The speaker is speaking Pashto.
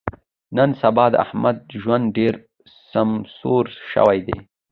نن سبا د احمد ژوند ډېر سمسور شوی دی.